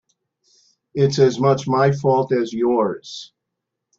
It's as much my fault as yours.